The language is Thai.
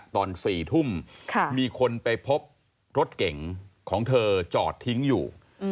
ตอน๔ทุ่มมีคนไปพบรถเก๋งของเธอจอดทิ้งอยู่